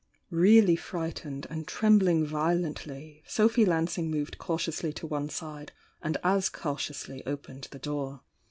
Really frightened and trembling violently, Sophy Lansing moved cautiously to one side, and as cau tiously opened the door.